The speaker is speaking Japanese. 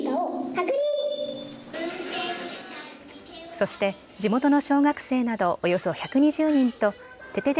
そして地元の小学生などおよそ１２０人とててて！